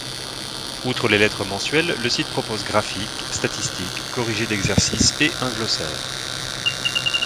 Outre les lettres mensuelles, le site propose graphiques, statistiques, corrigés d'exercice et un glossaire.